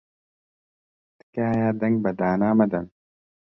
تکایە دەنگ بە دانا مەدەن.